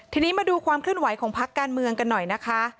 ทีนี้มาดูความเคลื่อนไหวของพักการเมืองกันหน่อยนะคะ